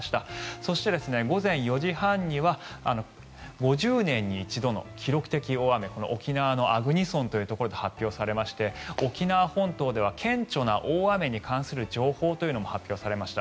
そして、午前４時半には５０年に一度の記録的大雨沖縄の粟国村というところで発表されまして沖縄本島では顕著な大雨に関する情報というのも発表されました。